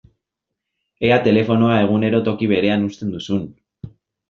Ea telefonoa egunero toki berean uzten duzun!